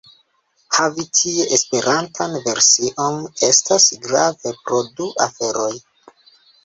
Havi tie Esperantan version estas grave pro du aferoj.